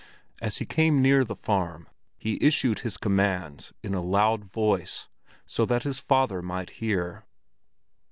As he came near the farm he issued his commands in a loud voice, so that his father might hear.